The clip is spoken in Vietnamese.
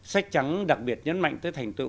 sách trắng đặc biệt nhấn mạnh tới thành tựu